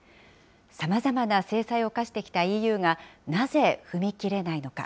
さまざまな制裁を科してきたＥＵが、なぜ踏み切れないのか。